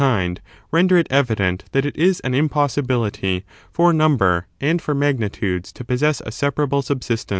^j^jg kind, render it evident that it is an impos sibility for number and for magnitudes to possess a separable subsistence.